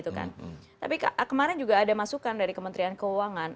tapi kemarin juga ada masukan dari kementerian keuangan